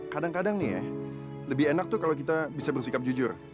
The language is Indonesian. kadang kadang nih ya lebih enak tuh kalau kita bisa bersikap jujur